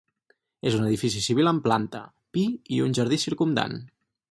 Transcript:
És un edifici civil amb planta, pi i un jardí circumdant.